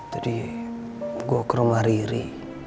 gue ke rumah riri